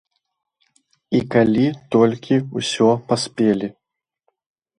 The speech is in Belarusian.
І калі толькі ўсё паспелі?